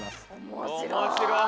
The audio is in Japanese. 面白い！